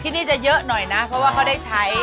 ที่นี่จะเยอะหน่อยนะเพราะว่าเขาได้ใช้